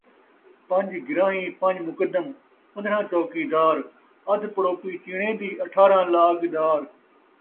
پنج گرائیں پنج مقدم، پندرھاں چوکیدار، ادھ پڑوپی چیݨے دی، اٹھاراں لاڳ دار